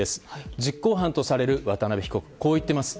実行犯とされる渡邉被告はこう言っています。